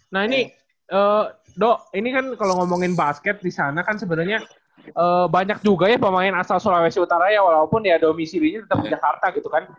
nah ini dok ini kan kalau ngomongin basket di sana kan sebenarnya banyak juga ya pemain asal sulawesi utara ya walaupun ya domisilinya tetap jakarta gitu kan